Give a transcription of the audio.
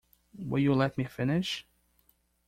Will you let me finish?